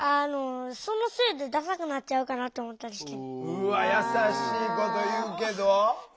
うわっ優しいこと言うけど。